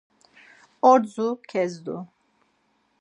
“Ordzo kezdu!”